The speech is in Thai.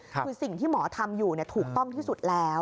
คือสิ่งที่หมอทำอยู่ถูกต้องที่สุดแล้ว